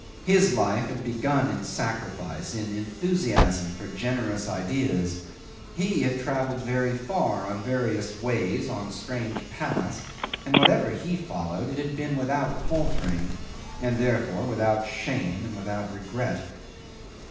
His life had begun in sacrifice, in enthusiasm for generous ideas; he had travelled very far, on various ways, on strange paths, and whatever he followed it had been without faltering, and therefore without shame and without regret.